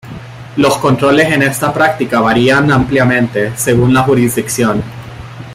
Los controles en esta práctica varían ampliamente, según la jurisdicción.